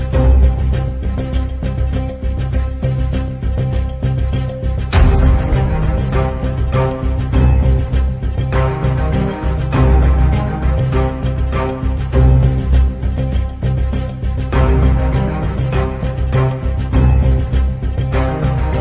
โปรดติดตามตอนต่อไป